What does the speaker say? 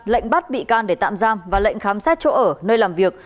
lệnh bắt bị can để tạm giam và lệnh khám xét chỗ ở nơi làm việc